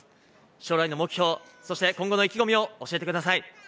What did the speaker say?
将来の目標、そして今後の意気込みを教えてください。